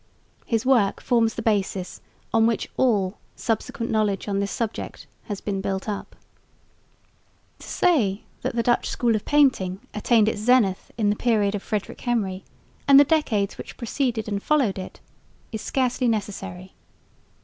His work forms the basis on which all subsequent knowledge on this subject has been built up. To say that the school of Dutch painting attained its zenith in the period of Frederick Henry and the decades which preceded and followed it, is scarcely necessary.